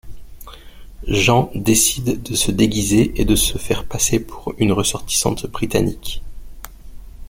Jean décide de se déguiser et de se faire passer pour une ressortissante britannique.